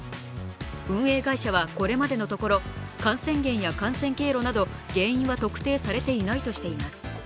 運営会社は、これまでのところ感染源や感染経路など原因は特定されていないとしています。